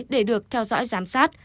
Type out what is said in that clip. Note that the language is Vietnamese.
để được theo dõi giám sát